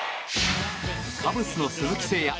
カブスの鈴木誠也。